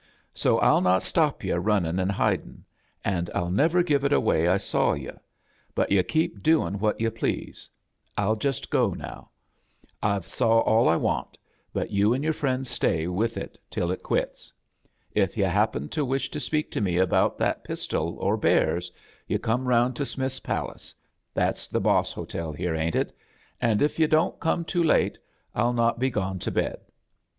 So I'll not stop yu* rtinnin' and fudtn', and Til never give it away I saw yu', but yu' keep 6xAn' what yu' please. FU just go now. Fve saw A JOURNEY IN SEARCH OF CHRISTMAS all I wantt but you and your friends stay wrth it till it quits. If yu* happen to wish to speak to me about that pistol or bears, yu' come around to Smitli's Palace — that's the boss hotel here, ain't it? — and if yu' don't come too late III not be gone to bed.